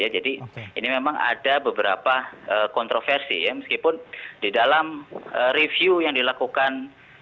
jadi ini memang ada beberapa kontroversi meskipun di dalam review yang dilakukan